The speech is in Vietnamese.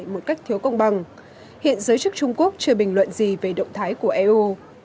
một cách thiếu công bằng hiện giới chức trung quốc chưa bình luận gì về động thái của eu